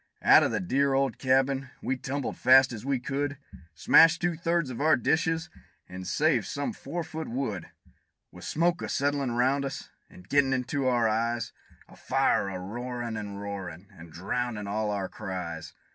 Out o' the dear old cabin we tumbled fast as we could Smashed two thirds of our dishes, and saved some four foot wood; With smoke a settlin' round us and gettin' into our eyes, And fire a roarin' an' roarin' an' drowndin' all of our cries.